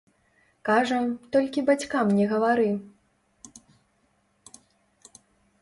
Кажа, толькі бацькам не гавары.